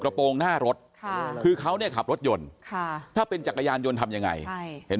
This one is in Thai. กระโปรงหน้ารถคือเขาขับรถยนต์ถ้าเป็นจักรยานยนต์ทำยังไงเห็น